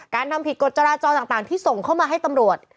ทำผิดกฎจราจรต่างที่ส่งเข้ามาให้ตำรวจ